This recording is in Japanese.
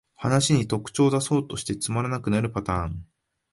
話に特徴だそうとしてつまらなくなるパターン